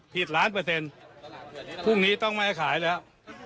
ล้านเปอร์เซ็นต์พรุ่งนี้ต้องไม่ให้ขายแล้ว